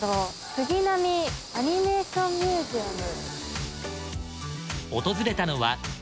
杉並アニメーションミュージアム。